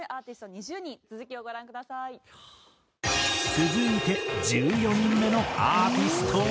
続いて１４人目のアーティストは。